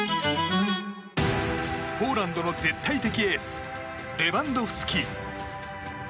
ポーランドの絶対的エースレバンドフスキ。